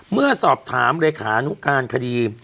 เมื่อสอบถามเลขานุการคดี